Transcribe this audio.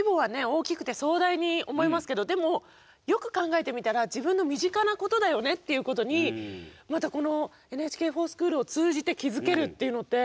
大きくて壮大に思いますけどもでもよく考えてみたら自分の身近なことだよねっていうことにまたこの「ＮＨＫｆｏｒＳｃｈｏｏｌ」を通じて気付けるっていうのって。